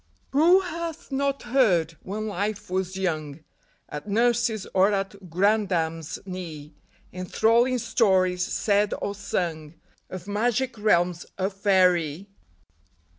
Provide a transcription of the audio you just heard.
Who hath not heard, when life was young, At nurse's or at grandam's knee, Enthralling stories, said or sung, Of magic realms of faerie